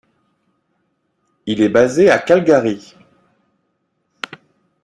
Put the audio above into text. Il est basé à Calgary.